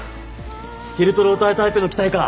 ティルトロータータイプの機体か。